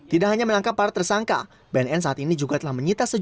tidak hanya menangkap para tersangka bnn saat ini juga telah menyita sejumlah